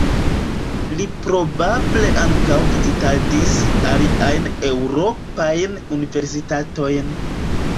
Li probable ankaŭ vizitadis aliajn eŭropajn universitatojn.